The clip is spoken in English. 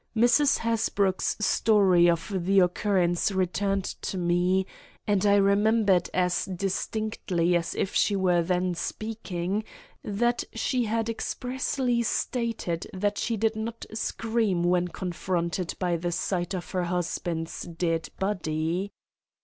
Mrs. Hasbrouck's story of the occurrence returned to me, and I remembered as distinctly as if she were then speaking, that she had expressly stated that she did not scream when confronted by the sight of her husband's dead body.